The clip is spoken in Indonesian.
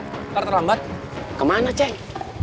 sekarang terlambat kemana ceng